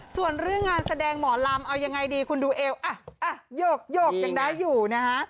ส่วนเรื่องงานแสดงหมอลำเอายังไงดีคุณดูเอวอ่ะหยกยังได้อยู่นะฮะ